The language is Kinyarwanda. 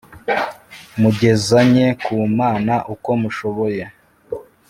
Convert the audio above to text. mugezanye ku mana uko mushoboye